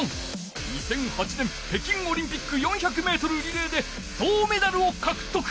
２００８年北京オリンピック４００メートルリレーで銅メダルをかくとく。